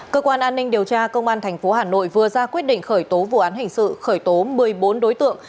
cơ quan an ninh điều tra công an tp hà nội vừa ra quyết định khởi tố vụ án hình sự khởi tố một mươi bốn đối tượng